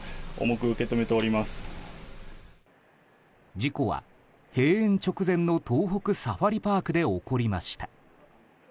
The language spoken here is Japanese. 事故は閉園直前の東北サファリパークで起こりました。